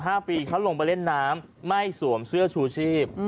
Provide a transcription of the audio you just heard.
ห้าปีเขาลงไปเล่นน้ำไม่สวมเสื้อชูชีพ